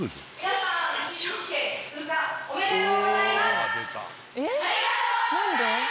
ありがとうございます！